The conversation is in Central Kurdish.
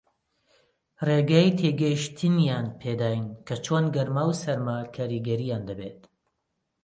ڕێگای تێگەیشتنیان پێ داین کە چۆن گەرما و سارما کاریگەرییان دەبێت